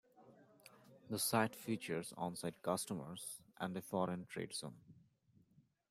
The site features onsite customers and a foreign trade zone.